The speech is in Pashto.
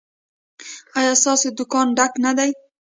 ایا ستاسو دکان ډک نه دی؟